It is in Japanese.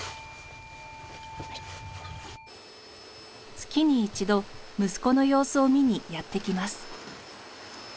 月に一度息子の様子を見にやってきます。